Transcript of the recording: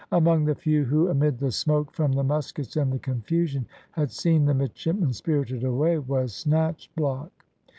Among the few who, amid the smoke from the muskets and the confusion, had seen the midshipmen spirited away, was Snatchblock.